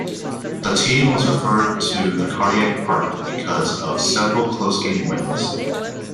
The team was referred to the "Cardiac Pack" because of several close game wins.